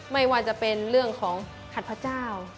ไม่ว่าจะเป็นเรื่องของขัดพระเจ้า